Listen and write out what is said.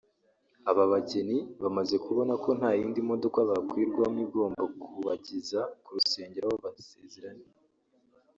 Aba bageni bamaze kubona ko nta yindi modoka bakwirwamo igomba kubageza ku rusengero aho basezeraniye